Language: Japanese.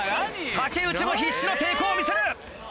竹内も必死の抵抗を見せる。